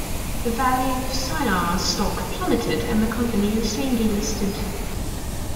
The value of Cinar's stock plummeted, and the company was soon delisted.